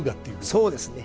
そうですね。